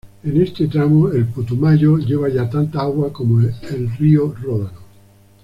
En este tramo el Putumayo lleva ya tanta agua como el río Ródano.